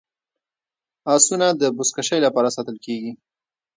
اسونه د بزکشۍ لپاره ساتل کیږي.